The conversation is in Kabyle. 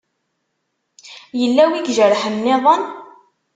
Yella wi ijerḥen nniḍen?